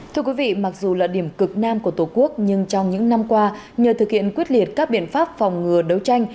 thưa quý vị mặc dù là điểm cực nam của tổ quốc nhưng trong những năm qua nhờ thực hiện quyết liệt các biện pháp phòng ngừa đấu tranh